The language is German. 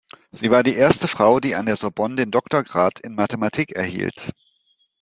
Sie war die erste Frau, die an der Sorbonne den Doktorgrad in Mathematik erhielt.